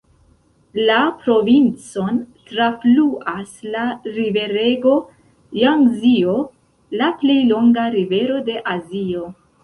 La provincon trafluas la riverego Jangzio, la plej longa rivero de Azio.